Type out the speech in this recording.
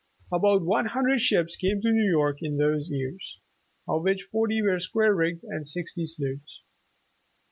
•'About one hundred ships came into New York in those years, of which forty were square rigged and sixty sloops.